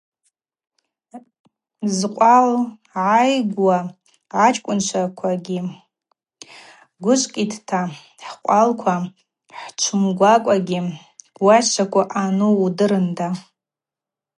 Зкъвал гӏайгуа ачкӏвынчвагьи гвыжвкӏитӏта – Хӏкъвалква хӏчвумгакӏвагьи уайщчваква ъану удырында.